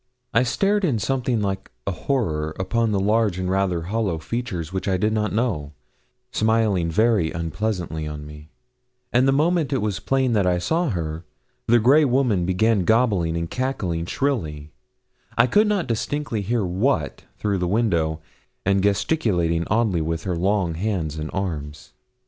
I stared in something like a horror upon the large and rather hollow features which I did not know, smiling very unpleasantly on me; and the moment it was plain that I saw her, the grey woman began gobbling and cackling shrilly I could not distinctly hear what through the window and gesticulating oddly with her long hands and arms.